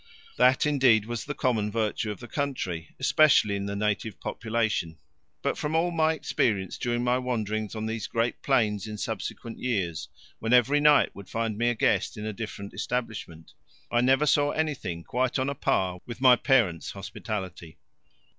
That, indeed, was the common virtue of the country, especially in the native population; but from all my experience during my wanderings on these great plains in subsequent years, when every night would find me a guest in a different establishment, I never saw anything quite on a par with my parents' hospitality.